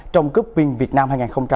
trong cúp viên việt nam hai nghìn hai mươi ba